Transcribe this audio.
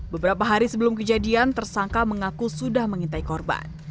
beberapa hari sebelum kejadian tersangka mengaku sudah mengintai korban